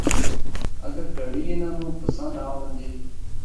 اگر کڑی انھان پسند آ ونجے۔